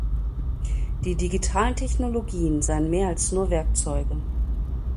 Die Digitalen Technologien seien mehr als nur Werkzeuge.